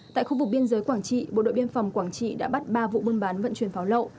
tại khu vực biên giới quảng trị bộ đội biên phòng quảng trị đã bắt ba vụ buôn bán vận chuyển pháo lậu